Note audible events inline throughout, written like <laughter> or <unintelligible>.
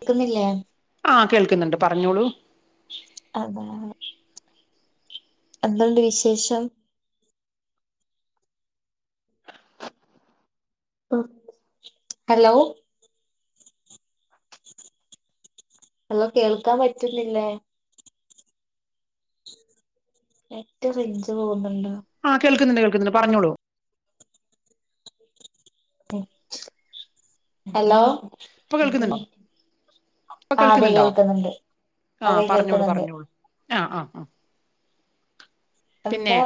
കേക്കുന്നില്ലേ ആ കേൾക്കുന്നുണ്ട് പറഞ്ഞോളൂ അതാ എന്തുണ്ട് വിശേഷം ഹ് ഹലോ ഹലോ കേൾക്കാൻ പറ്റുന്നില്ലേ എന്റെ റേഞ്ച് പോകുന്നുണ്ട് ആഹ് കേൾക്കുന്നുണ്ട് കേൾക്കുന്നുണ്ട് പറഞ്ഞോളൂ ഹലോ ഇപ്പൊ കേൾക്കുന്നുണ്ടോ ഇപ്പൊ ആ അതെ കേൾക്കുന്നുണ്ടോ കേൾക്കുന്നുണ്ട് ആഹ് അതെ പറഞ്ഞോളൂ കേൾക്കുന്നുണ്ട് പറഞ്ഞോളൂ ആഹ് ആഹ് ആഹ് പിന്നെ എന്താ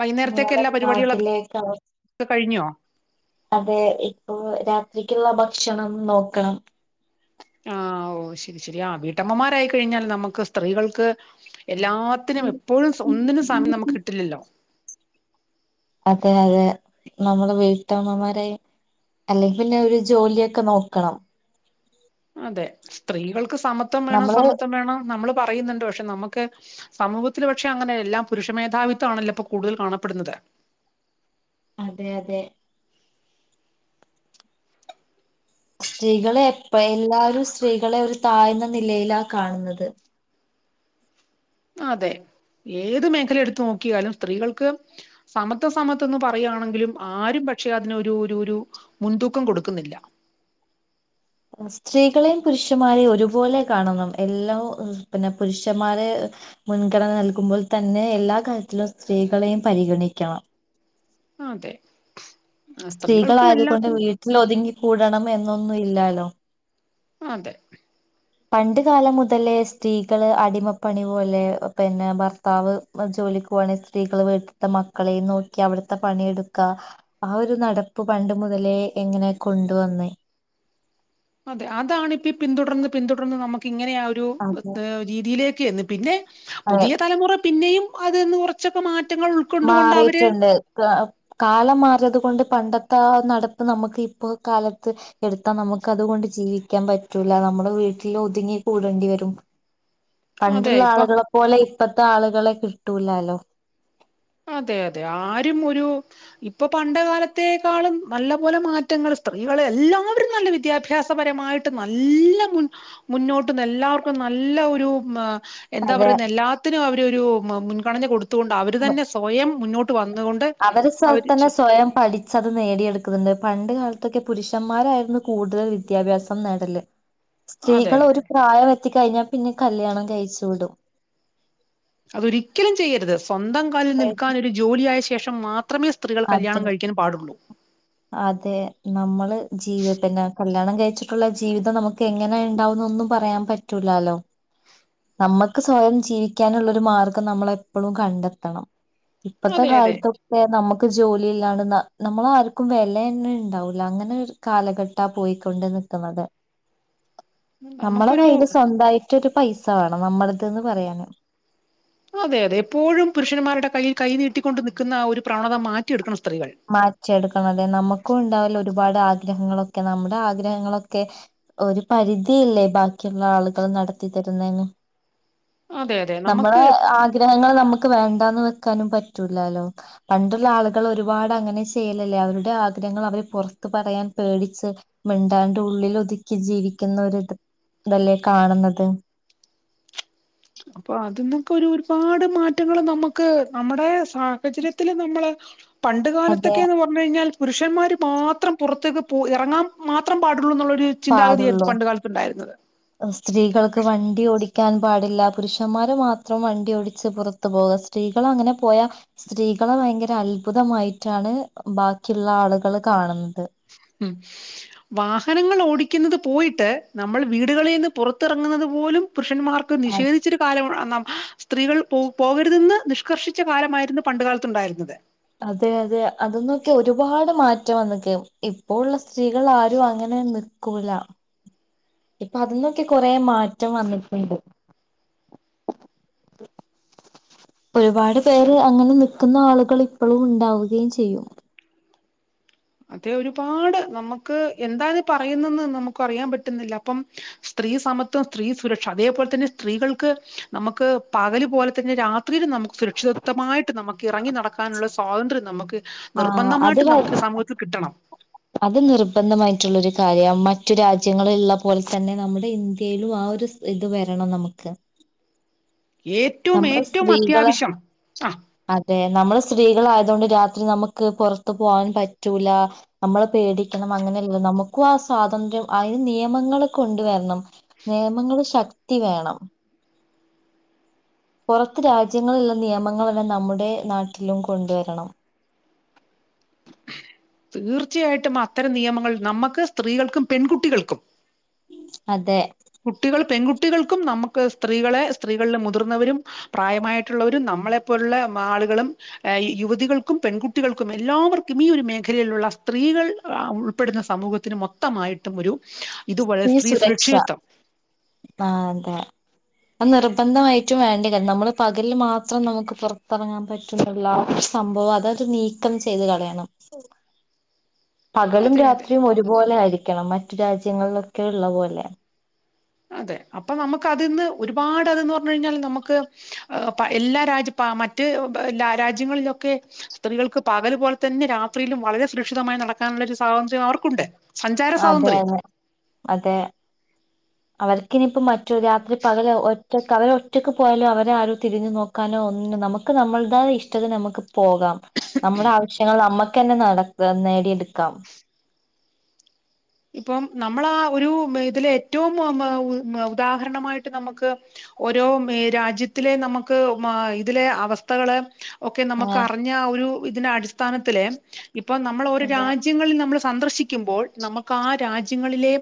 വൈന്നേരത്തേക്ക് നിങ്ങടെ എല്ലാ നാട്ടിലേക്ക് അവ പരിപാടികളൊക്കെ കഴിഞ്ഞുവോ അതെ ഇപ്പൊ രാത്രിക്കുള്ള ഭക്ഷണം നോക്കണം ആഹ് ഓ ശരി ശരിയാ വീട്ടമ്മമാരായിക്കഴിഞ്ഞാൽ നമുക്ക് സ്ത്രീകൾക്ക് എല്ലാത്തിനും എപ്പോഴും ഒന്നിനും സമയം നമുക്ക് കിട്ടില്ലല്ലോ അതെ അതെ നമ്മള് വീട്ടമ്മമാരെ അല്ലെങ്കി പിന്നെ ഒരു ജോലിയൊക്കെ നോക്കണം അതെ സ്ത്രീകൾക്ക് സമത്വം വേണം നമ്മള് സമത്വം വേണം നമ്മള് പറയുന്നുണ്ട് പക്ഷെ നമുക്ക് സമൂഹത്തിൽ പക്ഷെ അങ്ങനെ എല്ലാം പുരുഷ മേധാവിത്വ ആണല്ലോ ഇപ്പോൊ കൂടുതൽ കാണപ്പെടുന്നത് അതെ അതെ സ്ത്രീകളെ എപ്പ എല്ലാരും സ്ത്രീകളെ ഒരു താായ്ന്ന നിലയിലാ കാണുന്നത് അതെ ഏത് മേഖല എടുത്തു നോക്കിയാലും സ്ത്രീകൾക്ക് സമത്വ സമത്ത്ന്ന് പറയുകയാണെങ്കിലും ആരും പക്ഷെ അതിനൊരു ഒരു മുൻതൂക്കം കൊടുക്കുന്നില്ല സ്ത്രീകളെയും പുരുഷന്മാരെയും ഒരുപോലെ കാണണം എല്ലാം പിന്നെ പുരുഷന്മാരെ മുൻഗണന നൽകുമ്പോൾ തന്നെ എല്ലാ കാര്യത്തിലും സ്ത്രീകളെയും പരിഗണിക്കണം അ അതെ ആ സ്ത്രീകൾക്കും സ്ത്രീകളായതുക കൊണ്ട് എല്ലാത്തിനും വീട്ടിൽ ഒതുങ്ങി കൂടണം എന്നൊന്നും ഇല്ലോ അതെ <unintelligible> പണ്ട് കാലം മുതലേ സ്ത്രീകള് അടിമപ്പണി പോലെ പിന്നെ ഭർത്താവ് ജോലിക്ക് പോവാണെങ്കിൽ സ്ത്രീകള് വീട്ടിലത്തെ മക്കളെയും നോക്കി അവിടുത്തെ പണിയെടുക്കാ ആ ഒരു നടപ്പ് പണ്ട് മുതലേ എങ്ങനെ കൊണ്ടുവന്നേ അതെ അതാാണ്ിപ്പ പിന്തുടർന്ന് പിന്തുടർന്ന് നമുക്ക് ഇങ്ങനെ ആ ഒരു അതെ രീതിയിലേക്ക് <unintelligible> പിന്നെ <unintelligible> അതെ പുതിയ തലമുറ പിന്നെയും അത്ന്ന് കൊച്ചക്ക മാറ്റി മാറിയിട്ടുണ്ട് കാലം മാറിയത് ൊണ്ട് പണ്ടത്തെ ആ നടപ്പ് നമുക്ക് ഇപ്പൊ കാലത്ത് എടുത്താൽ നമുക്ക് അതുകൊണ്ട് ജീവിക്കാൻ പറ്റൂല നമ്മുടെ വീട്ടിൽ ഒതുങ്ങി കൂടേണ്ടി വരും അതെ പണ്ടുള്ള ഇപ്പൊ ആളുകളെപ്പോലെ ഇപ്പത്ത ആളുകളെ കിട്ടൂലാലോ അതെ അതെ ആരും ഒരു ഇപ്പൊ പണ്ട കാലത്തേക്കാളും നല്ല പോോലെ മാറ്റങ്ങൾ സ്ത്രീകൾ എല്ലാവരും നല്ല വിദ്യാഭ്യാസപരമായിട്ട് നല്ല മുന്നോട്ട് എല്ലാവർക്കും നല്ല ഒരു എന്താ അതെ പറയുന്ന എല്ലാത്തിനും അവര്രു മുൻഗണന കൊടുത്തുകൊണ്ട് അവര് തന്നെ കോയം മുന്നോട്ട് വന്നുകൊണ്ട് അവര് സ് തന്നെ സ്വയം പഠിച്ചത് നേടിയെടുക്കുന്നുണ്ട് പണ്ട് കാലത്തൊക്കെ പുരുഷന്മാരായിരുന്നു കൂടുതൽ വിദ്യാഭ്യാസം നേടല് അതെ സ്ത്രീകൾ അതെ ഒരു പ്രായം എ എത്തി കഴിഞ്ഞാൽ പിന്നെ കല്യാണം കഴിച്ചു വിടും അതൊരിക്കലും ചെയ്യരുത് സ്വന്തം കാലിൽ നിൽക്കാനൊ ഒരു ജോലിയ ആായ ശേഷം മാ അതെ അതെ നമ്മള് ജീവി പിന്നെ കല്യാണം ഉച്ചിട്ടുള്ള ജീവിതം നമുക്ക് എങ്ങനെ ഉണ്ടാവുന്നൊന്നും പറയാൻ പറ്റൂലാലോ നമ്മുക്ക് സ്വയം ജീവിക്കാനുള്ള ഒരു മാർഗം നമ്മൾ എപ്പോഴും കണ്ടെത്തണം ഇപ്പത്തെ അതെ അതെ കാലത്തൊക്കെ നമുക്ക് ജോലിയില്ലാാണ് നമ്മള ആർക്കും വില തന്നെ ഉണ്ടാവൂല അങ്ങനെ കാലഘട്ടാ പോയിക്കൊണ്ട് നിക്കുന്നത് നമ്മള നമുക്കൊരു കയ്ൽ സ്വന്തമായിട്ട് മറ്റൊരു പൈസ വേണം നമ്മടതന്ന് പറയാന അതെ അതെ എപ്പോഴും പുരുഷന്മാരുടെ കയ്യിൽ കൈ നീട്ടിക്കൊണ്ട് നിൽക്കുന്ന ആ ഒരു പ്രണത മാറ്റിയെടുക്കണം സ്ത്രീകൾ മാറ്റെടുക്കണം അതെ നമുക്കും ഉണ്ടാവല്ലോ ഒരുപാട് ആഗ്രഹങ്ങളൊക്കെ നമ്മുടെ ആഗ്രഹങ്ങളൊക്കെ ഒരു പരിധിയില്ലേ ബാക്കിയുള്ള ആളുകൾ നടത്തി തരുന്നതിന് അതെ അതെ നമുക്ക് നമ്മളെ ആഗ്രഹങ്ങൾ നമുക്ക് വേണ്ടന്ന് വ <unintelligible> പറ്റോ പണ്ടുള്ള ആള ഒരുപാട് അങ്ങനെ ചെയ്യലല്ലേ അവരുടെ ആഗ്രഹങ്ങൾ അവര് പുറത്ത് പറയാൻ പേടിച്ച്ു മിണ്ടാണ്ട് ഉള്ളിൽ ഒതുക്കി ജീവിക്കുന്ന ഒരു ഇതല്ലേ കാണുന്നത് അപ്പൊ അതിന്നൊക്കെ ഒരു ഒരുപാട് മാറ്റങ്ങള്ൾ നമുക്ക് നമ്മുടെ സാഹചര്യത്തില് നമ്മള് പണ്ട് അതെ കാലത്തൊക്കെയന്ന് പറഞ്ഞു കഴിഞ്ഞാൽ പുരുഷന്മാര് മാത്രം പുറത്തേക്ക് പോ ഇറങ്ങാൻ മാത്രം പാട പാടുള്ളോ സ്ത്രീകൾക്ക് വണ്ടി ഓടി ിക്കാൻ പാടില്ല പുരുഷന്മാര് മാത്രം വണ്ടി ടിച്ച് പുറത്തു പോകുക സ്ത്രീകൾ അങ്ങനെ പോയാ സ്ത്രീകളെ ഭയങ്കര അത്ഭുതമായിട്ടാണ് ബാക്കിയുള്ള ആളുകൾ കാണുന്ന ഉം വാഹനങ്ങൾ ഓടിക്കുന്നത് പോയിട്ട് നമ്മൾ വീടുകളിൽ നിന്ന് പുറത്തിറങ്ങുന്നത് പോലും- പുരുഷന്മാർക്ക് അതെ നിഷേധിച്ചരു കാലമാണ് ആ - സ്ത്രീകൾ പോ പോകരുതെന്ന് നിഷ്കർഷിച്ച കാലമായിരുന്നു പണ്ടു കാലത്തുണ്ടായിരുന്നത് അതെ അതെ അ അതിനൊക്കെ ഒരുപാട് മാറ്റം വന്നിക്ക് ഇപ്പോഴുള്ള സ്ത്രീകൾ ആരും അങ്ങനെ- നിൽക്കൂല ഇപ്പൊ അതിന്നൊക്കെ കൊറെ മാറ്റം വന്നിട്ടുണ്ട് ഒരുപാട് പേര് അങ്ങനെ നിക്കുന്ന ആളുകൾ ഇപ്പോഴും ഉണ്ടാവുകയും ചെയ്യും അതെ ഒരുപാട് നമുക്ക് എന്താണ് പറയുന്നെന്ന് നമുക്ക് അറിയാൻ പറ്റുന്നില്ല അപ്പം സ്ത്രീ സമത്വം സ്ത്രീ സുരക്ഷ അതേപോലെ തന്നെ സ്ത്രീകൾക്ക് നമുക്ക് പകല് പോലെ തന്നെ രാത്- ഒത്തിരിയും നമുക്ക് സുരക്ഷിത്വമായിട്ട് നമുക്ക് ഇറങ്ങി നടക്കാനുള്ള സ്വാതന്ത്ര്യം നമുക്ക്- ആഹ് അത് നിർബന്ധമായിട്ട് വ നമുക്ക് സമൂഹ- ണം അത് നിർബന്ധമായിട്ട് ഉള്ള ഒരു കാര്യവാ മറ്റു രാജ്യങ്ങള് ഉള്ള പോലെ തന്നെ നമ്മുടെ ഇന്ത്യയിലും ആ ഒരു ഇത് വരണം നമുക്ക്- ഏറ്റവും നമ്മള് ഏറ്റവും സ്ത്രീകള് അത്യാവശ്യം ആ അതെ നമ്മള് സ്ത്രീകൾ ആയതുകൊണ്ട് - രാത്രി നമുക്ക് പുറത്ത് പോകാൻ പറ്റൂല നമ്മള് പേടിക്കണം അങ്ങനെയല്ല നമുക്കും ആ സ്വാതന്ത്ര്യം അതിന് നിയമങ്ങള് കൊണ്ടുവരണം നിയമങ്ങള് ശക്തി വേണം പുറത്ത് രാജ്യങ്ങളുള്ള നിയമങ്ങൾ എല്ലാം നമ്മുടെ നാട്ടിലും കൊണ്ടുവരണം തീർച്ചയായിട്ടും അത്തരം നിയമങ്ങൾ നമ്മക്ക് സ്ത്രീകൾക്കും പെൺകുട്ടികൾക്കും അതെ കുട്ടികൾക്കും നമുക്ക് സ്ത്രീകളെ സ്ത്രീകളിൽ മുതിർന്നവരും പ്രായമായിട്ടുള്ളവരും നമ്മളെ പോലുള്ള ആളുകളും യുവതികൾക്കും പെൺകുട്ടികൾക്കും എല്ലാവർക്കും ഈ ഒരു മേഖലയിലുള്ള സ്ത്രീകൾ ഉൾപ്പെടുന്ന സമൂഹത്തിന് മൊത്തമായിട്ടും ഒരു ഇതുപോലെ പിന്നെ സ്ത്രീ സുരക്ഷ സുരക്ഷിതത്വം ആ അതെ അ നിർബന്ധമായിട്ടും വേണ്ടി ക നമ്മള് പകല് മാത്രം നമുക്ക് പുറത്തിറങ്ങാൻ പറ്റുന്നുള്ള ആ സംഭവം അതൊരു നീക്കം ചെയ്ത് കളയണം പകലും അതെ അതെ രാത്രിയും ഒരുപോലെ ആയിരിക്കണം മ റ്റു രാജ്യങ്ങളിലൊക്കെ കേരള പോലെ അതെ അപ്പൊ നമുക്ക് അതിന്ന് ഒരുപാട് അത്ന്ന് പറഞ്ഞു കഴിഞ്ഞാൽ നമുക്ക് എല്ലാ രാജ്യ മറ്റ് രാജ്യങ്ങളിലൊക്കെ സ്ത്രീകൾക്ക് പകൽ പോലെ തന്നെ രാത്രിയിലും വളരെ സുരക്ഷിതമായി നടക്കാനുള്ള ഒരു സ്വാതന്ത്ര്യം അവർക്കുണ്ട് സഞ്ചാര അതെ സ്വാതന്ത്ര്യം അതെ അതെ അവർക്കിനനിയിപ്പോം മറ്റൊരു രാത്രി പകല ഒറ്റക്ക് അവരെ ഒറ്റക്ക് പോയാലോ അവരെ ആരോ തിരിഞ്ഞു നോക്കാനോ ഒന്നോ നമുക്ക് നമ്മളുത ഇഷ്ടത്തി നമുക്ക് പോകാം നമ്മുടെ ആവശ്യങ്ങൾ നമ്മുക്ക് തന്നെ നട നേടിയെടുക്കാം ഇപ്പം നമ്മളാ ഒരു ഇതിലെ ഏറ്റവും ഉദാഹരണമായിട്ട് നമുക്ക് ഓരോ ഏ രാജ്യത്തിലെ നമുക്ക് മ ഇതിലെ അവസ്ഥകള് ഒക്കെ നമുക്ക് ആഹ് അറിഞ്ഞ ആ ഒരു ഇതിന് അടിസ്ഥാനത്തില് ഇപ്പൊ നമ്മള് ഓരോ അതെ രാജ്യങ്ങളിൽ നമ്മള് സന്ദർശി ക്കുമ്പോൾ നമ്മ ആ രാജ്യങ്ങളിലെ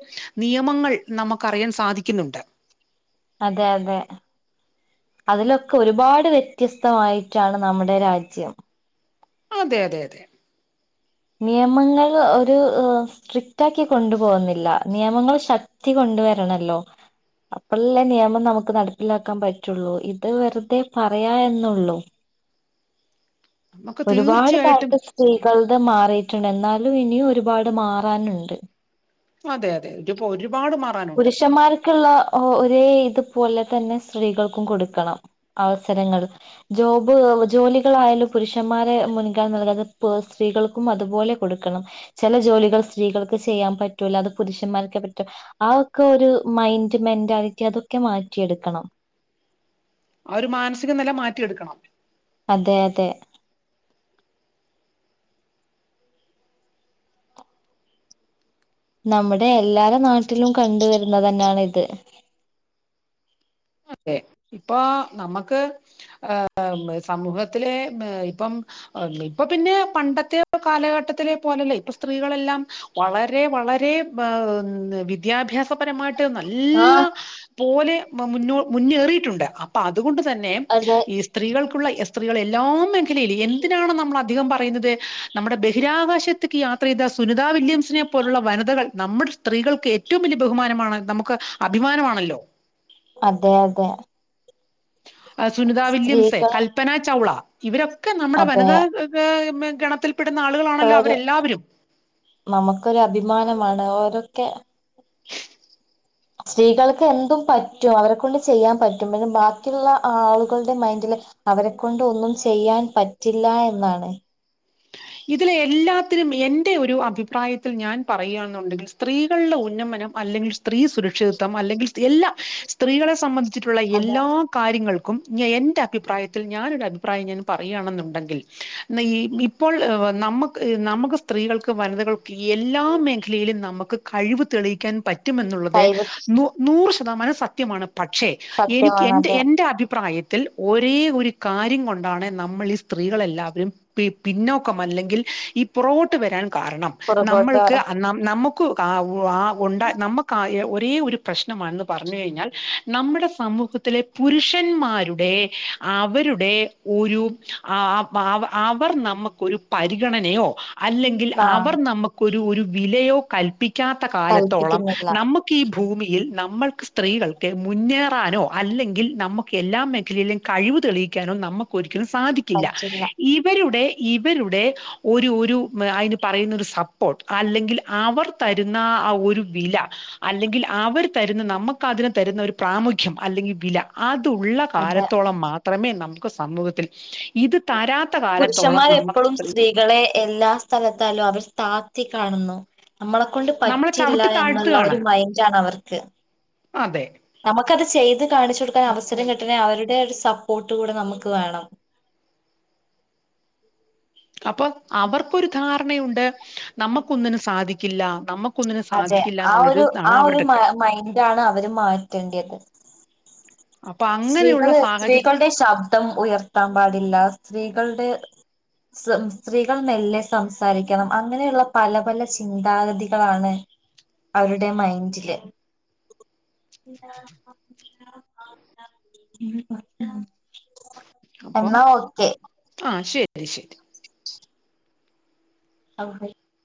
നിയമങ്ങൾ നമക്ക് അറിയാൻ സാധിക്കുന്നുണ്ട് അതെ അതെ അതിലൊക്ക ഒരുപാട് വ്യത്യസ്തമായിട്ടാണ് നമ്മടെ രാജ്യം അതെ അതെ അതെ നിയമങ്ങള് ഒരു ഹ് സ്ട്രിക്റ്റാക്കി കൊണ്ടുപോവുന്നില്ല. നിയമങ്ങള് ശക്തി കൊണ്ടുവരണല്ലോ അപ്പളല്ലേ നിയമം നമക്ക് നടപ്പിലാക്കാൻ പറ്റുള്ളൂ ഇത് വെറുതെ പറയാ എന്നുള്ളൂ നമുക്ക് ഒരുപാട് തീർച്ചയായിട്ടും കാലത്ത് സ്ത്രീകൾ ത്ത് മാറിട്ട്ണ്. എന്നാലും ഇനിയും ഒരുപാട് മാറാന്ണ്ട്. അതെ അതെ ഇത്പ്പോ ഒരു പാട് മാറാനുണ്ട് ക്ക്ള്ള ഒ ഒരേ ഇതുപോലെ തന്നെ സ്ത്രീകൾക്കും കൊടുക്കണം അവസരങ്ങള് ജോബ് ജോലികളായാലും പുരുഷന്മാരെ മുൻഗണന നൽകാതെ പ് സ്ത്രീകൾക്കും അതുപോലെ കൊടുക്കണം. ചെല ജോലികൾ സ്ത്രീകൾക്ക് ചെയ്യാൻ പറ്റൂല്ല അത് പുരുഷന്മാർക്കെ പറ്റു അതൊക്കെ ഒരു മൈന്റ് മെന്റാലിറ്റി അതൊക്കെ മാറ്റിയെടുക്കണം. ആ ഒരു മാനസിക നില മാറ്റിയെടുക്കണം. അതെയതെ നമ്മുടെ എല്ലാരെ നാട്ടിലും കണ്ട് വരുന്നതന്നാണ് ഇത്. അതെ ഇപ്പൊ നമ്മക്ക് ഏ സമൂഹത്തിലെ ഇപ്പം ഇപ്പൊ പിന്നെ പണ്ടത്തെ കാലഘട്ടത്തിലെ പോലല്ലേ ഇപ്പൊ സ്ത്രീകളെല്ലാം വളരെ വളരെ ഏഹ് ന്ന് വിദ്യാഭ്യാസപരമായ് ട്ട് നല്ല ആഹ് പോലെ മ മുന്നോ മുന്നേറിട്ടുണ്ട് അപ്പ അ തുകൊണ്ട് തന്നെ അതെ ഈ സ്ത്രീകൾക്കുള്ള എസ് ത്രീകള് എല്ലാ മേഖലയിലെ എന്തിനാണ് നമ്മള് അധികം പറയ്ന്നത് നമ്മടെ ബഹിരാകാശത്തിക്ക് യാത്രയ്ത സുനിതാ വില്യംസിനെ പോലുള്ള വനിതകൾ നമ്മടെ സ്ത്രീകൾക്ക് ഏറ്റവും വലിയ ബഹുമാനമാണ്. നമുക്ക് അഭിമാനമാണല്ലോ അതെ അതെ ആ സുനിത വില്യംസെ, സ്ത്രീകൾ കൽപന ചൗള ഇവരൊ ക്കെ നമ്മടെ വനിതാ <unintelligible> മെ ഗണത്തിൽ <unintelligible> നമ്മക്കൊരു അഭിമാനമാണ് ഓരൊ ക്കെ സ്ത്രീകൾക്ക് എന്തും പറ്റും അവരെക്കൊണ്ട് ചെയ്യാൻ പറ്റും പിന്നെ ബാക്കിള്ള ആളുകളുടെ മൈന്റില് അവരെക്കൊണ്ട് ഒന്നും ചെയ്യാൻ പറ്റില്ല എന്നാണ് ഇതില് എല്ലാത്തിലും എന്റെ ഒരു അഭിപ്രായത്തിൽ ഞാൻ പറയാന്നുണ്ടെങ്കിൽ സ്ത്രീകള്ടെ ഉന്നമനം അല്ലെങ്കിൽ സ് ത്രീ സുരക്ഷിതത്വം അല്ലെങ്കിൽ സ് എല്ലാം സ്ത്രീകളെ സംബന് ധിച്ചിട്ടുള്ള അതെ എല്ലാ കാര്യങ്ങളും ക്കും ഞ് എന്റെ അഭിപ്രായത്തിൽ ഞാനൊരഭിപ്രായം ഞാന് പറയാണെന്നുണ്ടെങ്കിൽ ന്ന് ഇ ഇ ഇപ്പോൾ ഏഹ് നമ്മക്ക് നമ്മക്ക് സ്ത്രീകൾക്ക് വനിതകൾ ക്ക് എല്ലാ മേഖലേലും നമ്മ ക്ക്കഴിവ് തെളിയിക്കാൻ പറ്റും മെന്നുള്ളത് കൈവ് നു നൂറ്ശ തമാനം സത്യമാണ്. പക്ഷേ എനിക്ക് സത്യമാണ് എൻ്റെ അതെ എന്റെ അഭിപ്രായ ത്തിൽ ഒരേ ഒരു കാര്യം കൊണ്ടാണ് നമ്മള് ഈ സ്ത്രീകളെല്ലാവരും പി പിന്നോക്കം അല്ലെങ്കിൽ ഈ പുറകോട്ട് വരാൻ കാരണം പുറകോട്ട് പറ നമ്മൾക്ക് അ നം നമു ക്കു ആ ഉ ആ ഉണ്ടാ നമക്ക് ഒരേ ഒരു പ്രശ്‌നം വന്ന് പറഞ്ഞു കഴിഞ്ഞാൽ നമ്മടെ സമൂഹത്തിലെ പുരുഷന്മാരുടെ അവരുടെ ഒരു അ വ അവ അവർ ന മുക്കൊരു പരിഗണനയോ അല്ലെങ്കിൽ ആ അവർ നമു ഒരു ഒരു വിലയോ കൽപ്പി ക്കാത്ത കാലത്തോളം കൽപ്പിക്കുന്നില്ല നമുക്ക് ഈ ഭൂമിയിൽ നമ്മൾക്ക് സ്ത്രീകൾക്ക് മുന്നേറാനോ അല്ലെങ്കിൽ നമുക്ക് എല്ലാ മേഖലയിലും കഴിവ് തെളിയിക്കാനോ നമുക്കൊരു സാധിക്കില്ല പറ്റില്ല ഇവരുടെ ഇവരുടെ ഒരു ഒരു അതിന് പറയുന്ന ഒരു സപ്പോർട്ട് അല്ലെങ്കിൽ അവർ തരുന്ന ആ ഒരു വില അല്ലെങ്കിൽ അവർ തരുന്ന നമുക്ക് അതിനു തരുന്ന ഒരു പ്രാമുഖ്യം അല്ലെങ്കിൽ വില അത് ത്ത് ഉള്ള അതെ കാലത്തോളം മാത്രമേ ന മുക്ക് സമൂഹത്തിൽ ഇത് തരാത്ത കാലത്തോളം നമുക്ക് എപ്പളും സ്ത്രീകൾ സ്ത്രീകളെ എല്ലാ സ്ഥലത്താലും അവർ സ്ഥാ കത്തി കാണുന്നു നമ്മളെ കൊണ്ട് നമ്മളെ പറ്റില്ല ചവിട്ടി എന്നുള്ള ഒരു താഴ്ത്തുകയാണ് മൈൻഡാണ് അവർക്ക് അതെ നമ നമുക്ക് അത് ചെയ്ത് കാണിച്ചു കൊടുക്കാൻ അവസരം കിട്ടണെ അവരുടെ ഒരു സപ്പോർട്ട് കൂടെ നമുക്ക് വേണം. അപ്പൊ അവർക്കരു ധാരണയു നമുക്കൊന്നിനും സാധിക്കില്ല നമുക്ക് അതെ ആ ഒരു ആ ഒരു മ മൈൻഡാണ് അവര് മാറ്റേണ്ടിയത്. അപ്പൊ അങ്ങനെയുള്ള സ്ത്രീകള് സാഹചര്യം സ്ത്രീകളുടെ ശബ്ദം ഉയർത്താൻ പാടില്ല സ്ത്രീ സ്ത്രീകളുടെ സ്ത്രീകൾ മെല്ലെ സംസാരിക്കണം അങ്ങനെയുള്ള പല പല ചിന്താഗതികളാണ് അവരുടെ മൈൻഡില്. <unintelligible> അപ്പം എന്നാ ഓക്കെ. <unintelligible> ഔ ഹൈ